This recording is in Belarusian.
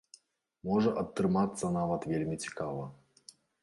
Можа атрымацца нават вельмі цікава.